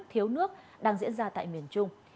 thiếu nước đang diễn ra tại miền trung